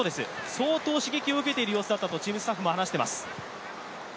相当、刺激を受けたようだとチームスタッフも話してます。